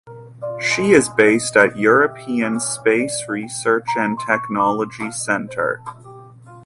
She is based at European Space Research and Technology Centre.